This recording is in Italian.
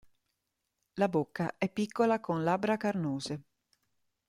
La bocca è piccola, con labbra carnose.